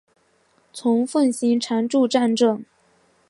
虫奉行常住战阵！